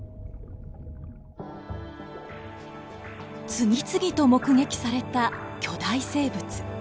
次々と目撃された巨大生物。